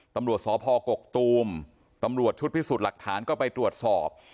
ตำรวจสพกกตูมตำรวจชุดพิสูจน์หลักฐานก็ไปตรวจสอบ